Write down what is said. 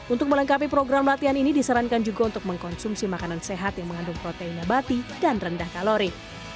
untuk melengkapi program latihan ini disarankan juga untuk mengkonsumsi makanan sehat yang mengandung protein abati dan rendah kalori